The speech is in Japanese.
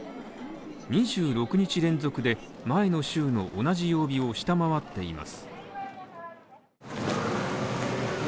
２６日連続で前の週の同じ曜日を下回っています。